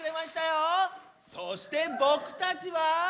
そしてぼくたちは。